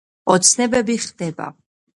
ოცნებები ხდება